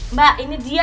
mbak ini dia